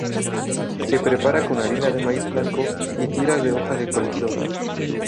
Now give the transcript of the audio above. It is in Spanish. Se prepara con harina de maíz blanco y tiras de hojas de coliflor.